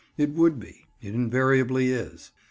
It would be: it invariably is.